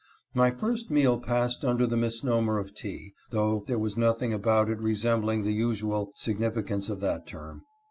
My first meal passed under the misnomer of tea, though there was nothing about it resembling the usual significance of that term.